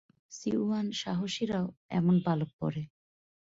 সিউয়ান সাহসীরাও এমন পালক পরে।